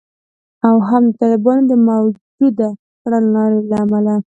او هم د طالبانو د موجوده کړنلارې له امله